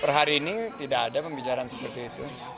per hari ini tidak ada pembicaraan seperti itu